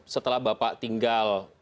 setelah bapak tinggal